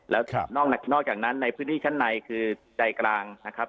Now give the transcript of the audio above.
แล้วนอกจากนั้นในพื้นที่ชั้นในคือใจกลางนะครับ